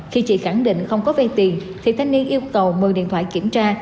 khi chị khẳng định không có vay tiền thì thanh niên yêu cầu mời điện thoại kiểm tra